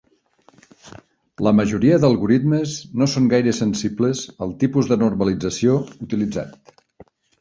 La majoria d'algoritmes no són gaire sensibles al tipus de normalització utilitzat.